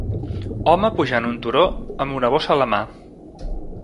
home pujant un turó amb una bossa a la mà